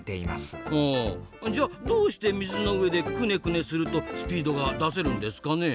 はあじゃあどうして水の上でクネクネするとスピードが出せるんですかね？